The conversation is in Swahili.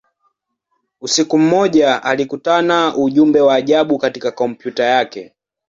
Usiku mmoja, alikutana ujumbe wa ajabu katika kompyuta yake.